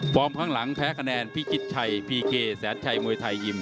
ข้างหลังแพ้คะแนนพิจิตชัยพีเกแสนชัยมวยไทยยิม